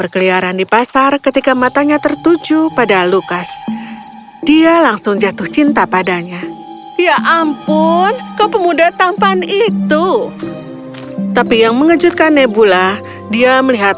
kerajaan yang sangat jauh